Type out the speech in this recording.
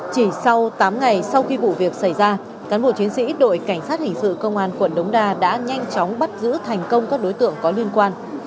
chỉ sau tám ngày sau khi vụ việc xảy ra cán bộ chiến sĩ đội cảnh sát hình sự công an quận đống đa đã nhanh chóng bắt giữ thành công các đối tượng có liên quan